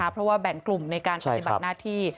เพราะว่าแบ่งกลุ่มในการปฏิบัติหน้าที่